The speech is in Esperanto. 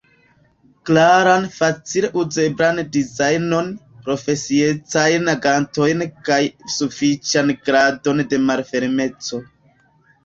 klaran, facile uzeblan dizajnon, profesiecajn agantojn kaj sufiĉan gradon de malfermeco.